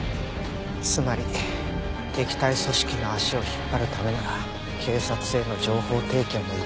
つまり敵対組織の足を引っ張るためなら警察への情報提供もいとわない。